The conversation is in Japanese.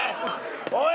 おい！